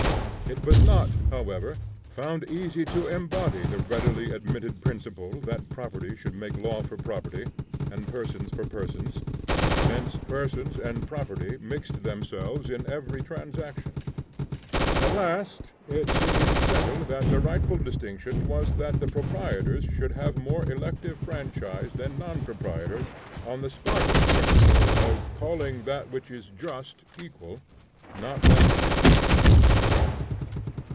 It was not however found easy to embody the readily admitted principle that property should make law for property, and persons for persons; since persons and property mixed themselves in every transaction. At last it seemed settled that the rightful distinction was that the proprietors should have more elective franchise than non proprietors, on the Spartan principle of "calling that which is just, equal; not that which is equal, just."